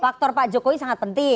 faktor pak jokowi sangat penting